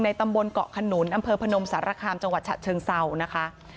ตำบลเกาะขนุนอำเภอพนมสารคามจังหวัดฉะเชิงเศร้านะคะ